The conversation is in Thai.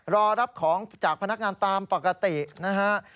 รอรับของจากพนักงานตามปกตินะฮะ